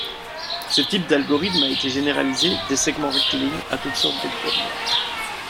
Ce type d'algorithme a été généralisé des segments rectilignes à toutes sortes de courbes.